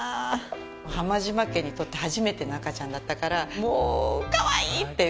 浜島家にとって初めての赤ちゃんだったからもうかわいい！っていう。